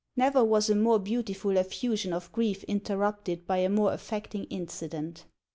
Never was a more beautiful effusion of grief interrupted by a more affecting incident!